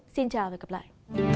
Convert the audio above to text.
xin chào và hẹn gặp lại